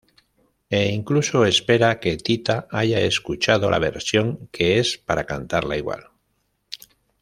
He incluso espera que Tita haya escuchado la versión que es para cantarla igual.